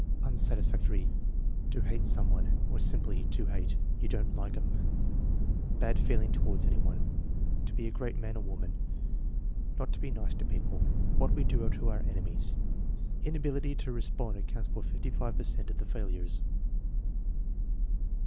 Unsatisfactory. "To hate some one/* or simply "To hate." "You don't like 'em." "Bad feeling toward any one." "To be a great man or woman." "Not to be nice to people." "What we do to our enemies." Liability to respond accounts for 55 per cent of the failures.